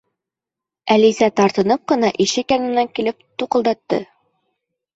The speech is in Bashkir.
Әлисә тартынып ҡына ишек янына килеп, туҡылдатты.